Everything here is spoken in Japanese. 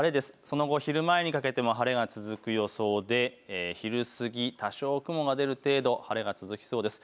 その後、昼前にかけても晴れが続く予想で昼過ぎ、多少雲が出る程度、晴れが続きそうです。